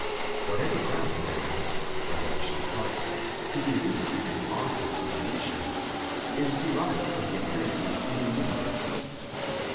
Whatever ground there is, revelation apart, to believe in an Author of Nature, is derived from the appearances in the universe.